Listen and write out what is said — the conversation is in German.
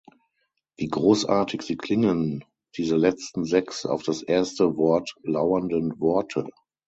Wie großartig sie klingen, diese letzten sechs auf das erste Wort lauernden Worte.